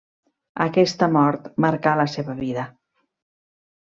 Aquesta mort marcà la seva vida.